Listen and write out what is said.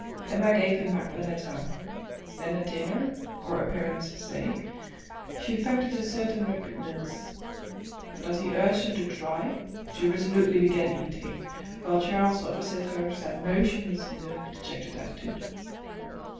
Emma gave him back the letter; then at dinner, for appearance's sake, she affected a certain repugnance. But as he urged her to try, she resolutely began eating, while Charles opposite her sat motionless in a dejected attitude.